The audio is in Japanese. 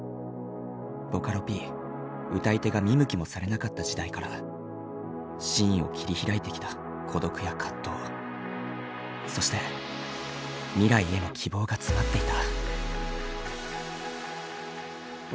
ボカロＰ歌い手が見向きもされなかった時代からシーンを切り開いてきた孤独や葛藤そして未来への希望が詰まっていた。